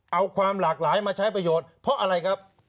เอาความหลากหลายมาใช้ประโยชน์เพราะอะไรครับ